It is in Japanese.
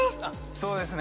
そうですね